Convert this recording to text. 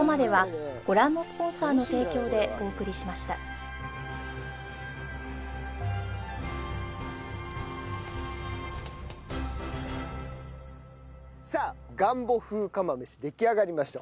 ニトリさあガンボ風釜飯出来上がりました。